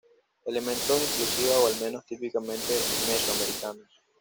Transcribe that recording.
Elementos exclusiva o al menos típicamente mesoamericanos.